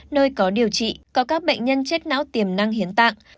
nơi có điều trị có các bệnh nhân chết não tiềm năng hiến tạng